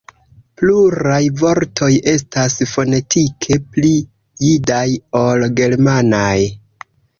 Pluraj vortoj estas fonetike pli jidaj ol germanaj.